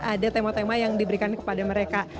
ada tema tema yang diberikan kepada mereka